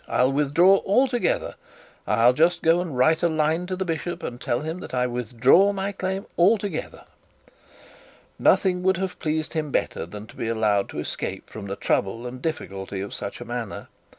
I'll withdraw altogether. I'll just go and write a line to the bishop and tell him that I withdraw my claim altogether.' Nothing would have pleased him better than to be allowed to escape from the trouble and difficulty in such a manner.